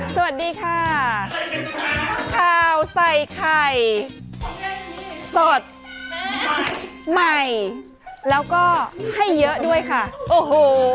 สวัสดีค่ะข้าวใส่ไข่สดใหม่แล้วก็ให้เยอะด้วยค่ะโอ้โห